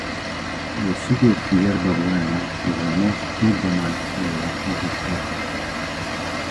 The city of Yerba Buena is the most urbanized area of the department.